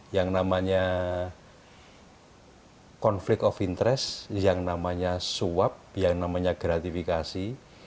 yang namanya konflik of interest yang namanya suap yang namanya gratifikasi